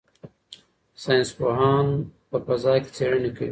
ساینس پوهان په فضا کې څېړنې کوي.